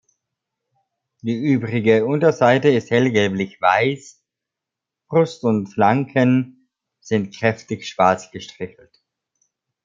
Die übrige Unterseite ist hellgelblich weiß, Brust und Flanken sind kräftig schwarz gestrichelt.